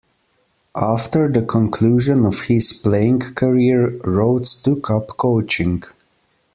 After the conclusion of his playing career, Rhodes took up coaching.